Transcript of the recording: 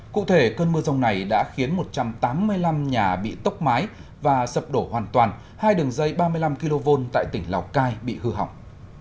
cụ thể cơn mưa rông này đã khiến một trăm tám mươi năm nhà bị tốc mái và sập đổ hoàn toàn hai đường dây ba mươi năm kv tại tỉnh lào cai bị hư hỏng